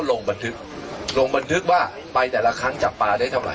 ลงบันทึกลงบันทึกว่าไปแต่ละครั้งจับปลาได้เท่าไ